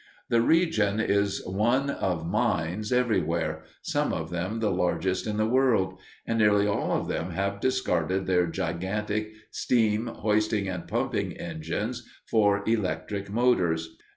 The region is one of mines everywhere, some of them the largest in the world; and nearly all of them have discarded their gigantic steam , hoisting , and pumping engines for electric motors.